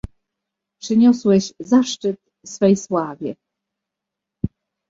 "Przyniosłeś zaszczyt swej sławie!"